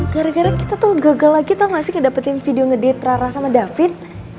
gara gara kita tuh gagal lagi tau gak sih dapetin video ngedit rara sama david